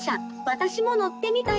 私も乗ってみたい。